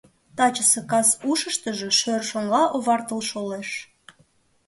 Тачысе кас ушыштыжо шӧр шоҥла овартыл шолеш.